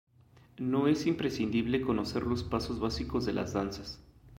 No es imprescindible conocer los pasos básicos de las danzas.